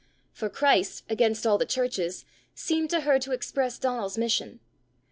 For Christ, against all the churches, seemed to her to express Donal's mission.